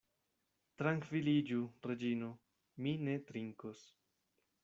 Trankviliĝu, Reĝino; mi ne trinkos.